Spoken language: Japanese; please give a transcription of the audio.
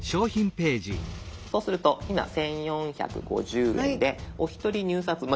そうすると今１，４５０円でお一人入札ま